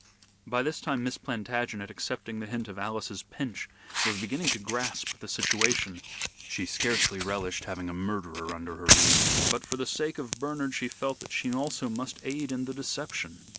By this time Miss Plantagenet, accepting the hint of Alice's pinch, was beginning to grasp the situation. She scarcely relished having a murderer under her roof, but for the sake of Bernard she felt that she also must aid in the deception.